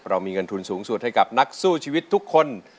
เรามีเงินทุนสูงสุดให้กับนักสู้ชีวิตทุกคน